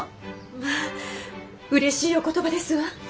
まあうれしいお言葉ですわ。